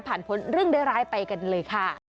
พ้นเรื่องร้ายไปกันเลยค่ะ